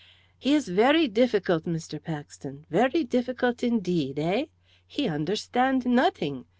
"He is very difficult, Mr. Paxton very difficult indeed, eh? He understand nothing.